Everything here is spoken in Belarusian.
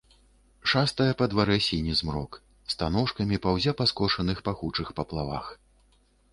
Шастае па дварэ сіні змрок, станожкамі паўзе па скошаных пахучых паплавах.